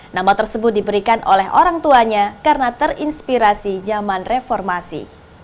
nama tersebut diberikan oleh orang tuanya karena terinspirasi zaman reformasi